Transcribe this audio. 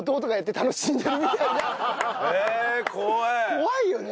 怖いよね。